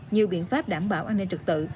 nhiều biện pháp đảm bảo an ninh trực tự